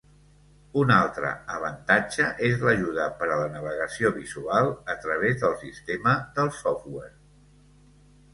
Una altre avantatge és l'ajuda per a la navegació visual a través del sistema del software.